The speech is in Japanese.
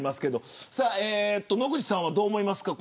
野口さんは、どう思いますか。